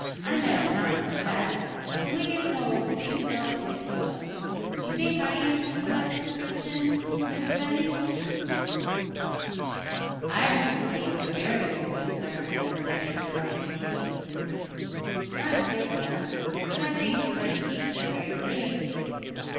I know of nought like that; when we gets old, youth don't stick to us. Do you think I answer to that description, Miss Betty?' 'I should say you were very old,' observed Betty reflectively, 'not a bit young; but I think your red cheeks are very pretty.'